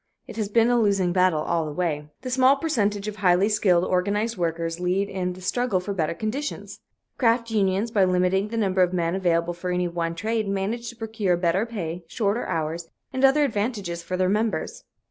It has been a losing battle all the way." The small percentage of highly skilled, organized workers lead in the struggle for better conditions. Craft unions, by limiting the number of men available for any one trade, manage to procure better pay, shorter hours and other advantages for their members.